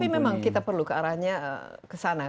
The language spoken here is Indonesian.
tapi memang kita perlu ke arahnya ke sana